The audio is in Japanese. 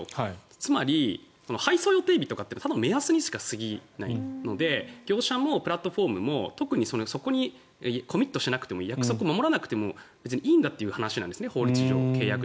つまり、配送予定日とかってただの目安にしか過ぎないので業者もプラットフォームも特にそこにコミットしなくても約束を守らなくても別にいいんだという話なんです法律上。